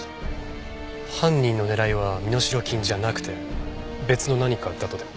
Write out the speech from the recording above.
犯人の狙いは身代金じゃなくて別の何かだとでも？